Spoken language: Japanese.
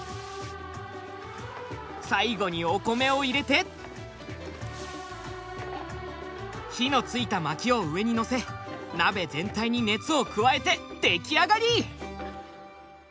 最後にお米を入れて火のついた薪を上にのせ鍋全体に熱を加えて出来上がり。